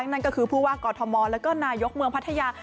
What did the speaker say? นั่นก็คือผู้ว่ากอทมแล้วก็นายกเมืองพัทยา